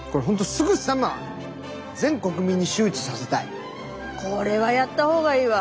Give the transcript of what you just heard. すぐさまこれはやった方がいいわ。